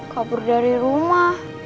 kabur dari rumah